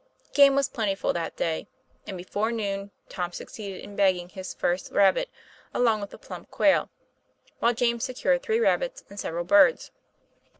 Game was plentiful that day, and before noon Tom succeeded in bagging his first rabbit, along with a plump quail, while James secured three rabbits and several birds.